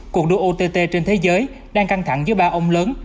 cuộc đua ott trên thế giới đang căng thẳng giữa ba ông lớn